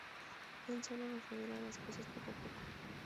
Él sólo nos revela las cosas poco a poco.